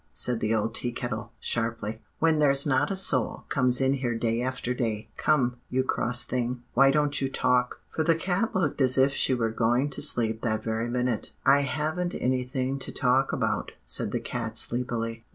said the old Tea Kettle sharply; 'when there's not a soul comes in here day after day. Come, you cross thing, why don't you talk?' for the cat looked as if she were going to sleep that very minute. "'I haven't anything to talk about,' said the cat sleepily.